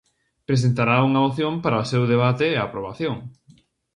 Presentará unha moción para o seu debate e aprobación.